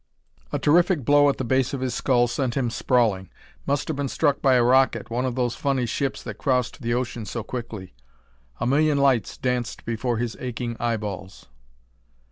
A terrific blow at the base of his skull sent him sprawling. Must have been struck by a rocket, one of those funny ships that crossed the ocean so quickly. A million lights danced before his aching eyeballs.